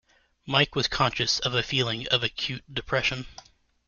Mike was conscious of a feeling of acute depression.